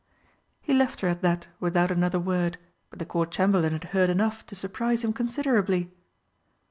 He left her at that without another word, but the Court Chamberlain had heard enough to surprise him considerably.